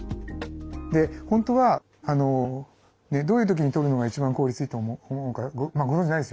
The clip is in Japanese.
本当はどういう時にとるのが一番効率いいと思うかご存じないですよね。